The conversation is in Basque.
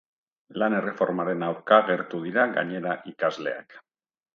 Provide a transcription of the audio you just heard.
Lan erreformaren aurka agertu dira gainera ikasleak.